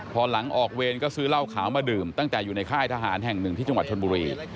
พอหลังออกเวรก็ซื้อเหล้าขาวมาดื่มตั้งแต่อยู่ในค่ายทหารแห่งหนึ่งที่จังหวัดชนบุรี